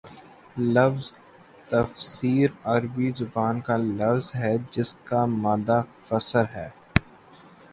لفظ تفسیر عربی زبان کا لفظ ہے جس کا مادہ فسر ہے